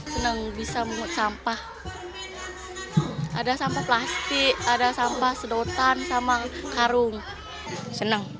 senang bisa memungut sampah ada sampah plastik ada sampah sedotan sama karung senang